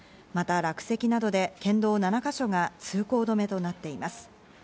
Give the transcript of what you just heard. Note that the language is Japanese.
また落石などで県道７か所が通行止めとなっています。